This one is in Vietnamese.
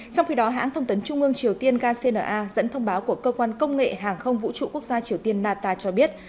trong khi đó hãng thông tấn trung ương triều tiên kcna dẫn thông báo của cơ quan công nghệ hàng không vũ trụ quốc gia triều tiên nata cho biết